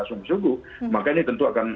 sungguh sungguh makanya tentu akan